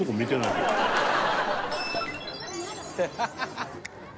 「ハハハハ！」